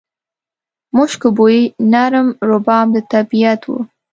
مشکو بوی، نرم رباب د طبیعت و